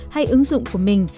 hay ứng dụng của mình